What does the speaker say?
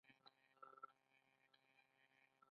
آیا پښتون په خپله خپلواکۍ مین نه دی؟